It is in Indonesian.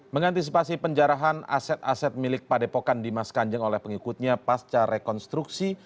mengantisipasi penjarahan aset aset milik padepokan dimas kanjeng oleh pengikutnya pasca rekonstruksi